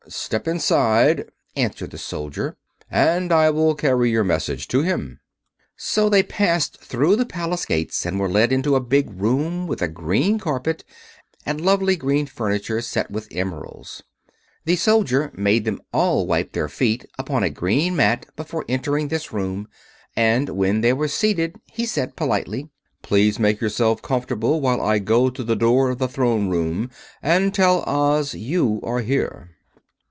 "Step inside," answered the soldier, "and I will carry your message to him." So they passed through the Palace Gates and were led into a big room with a green carpet and lovely green furniture set with emeralds. The soldier made them all wipe their feet upon a green mat before entering this room, and when they were seated he said politely: "Please make yourselves comfortable while I go to the door of the Throne Room and tell Oz you are here."